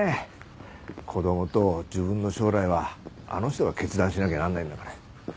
子供と自分の将来はあの人が決断しなきゃならないんだから。